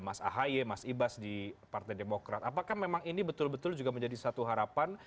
mas ahaye mas ibas di partai demokrat apakah memang ini betul betul juga menjadi satu harapan